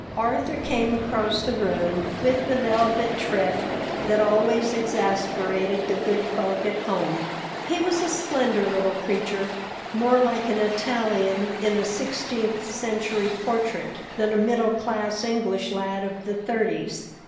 Arthur came across the room with the velvet tread that always exasperated the good folk at home. He was a slender little creature, more like an Italian in a sixteenth century portrait than a middle class English lad of the thirties.